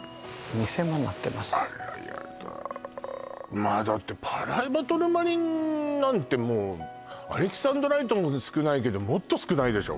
あらやだまあだってパライバトルマリンなんてもうアレキサンドライトも少ないけどもっと少ないでしょ？